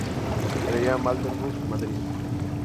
Galería Marlborough, Madrid.